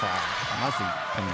まず１点目。